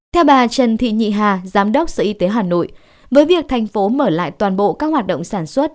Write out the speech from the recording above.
theo bà trần thị nhị hà giám đốc sở y tế hà nội với việc thành phố mở lại toàn bộ các hoạt động sản xuất